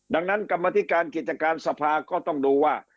ดังนั้นกรรมธิการกิจการสภาก็ต้องดูว่า